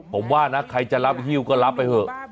ผมว่านะใครจะรับฮิ้วก็รับไปเถอะ